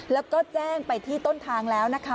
แล้วก็แจ้งไปที่ต้นทางแล้วนะคะ